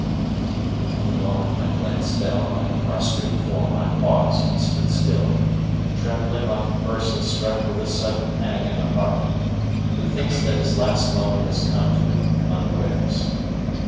At the moment my glance fell on that prostrate form I paused and stood still, trembling like a person struck with a sudden pang in the heart, who thinks that his last moment has come to him unawares.